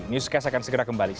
newscast akan segera kembali